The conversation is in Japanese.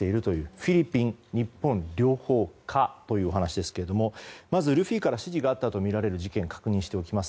フィリピン、日本両方か？という話ですがまずルフィから指示があったとみられる事件を確認しておきます。